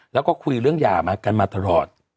แล้วก็คุยเรื่องหย่ามากันมาตลอด